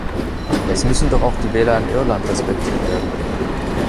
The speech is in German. Es müssen doch auch die Wähler in Irland respektiert werden.